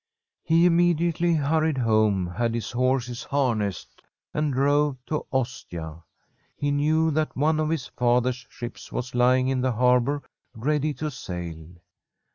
He immediately hurried home, had his horses harnessed and drove to Ostia. He knew that one of his father's ships was lying in the harbour ready to sail.